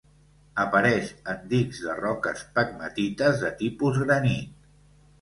Apareix en dics de roques pegmatites de tipus granit.